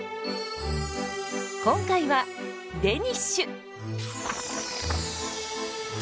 今回はデニッシュ！